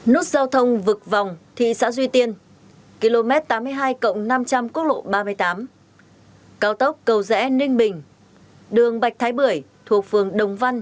nút giao thông vực vòng thị xã duy tiên km tám mươi hai năm trăm linh quốc lộ ba mươi tám cao tốc cầu rẽ ninh bình đường bạch thái bưởi thuộc phường đồng văn